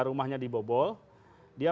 rumahnya dibobol dia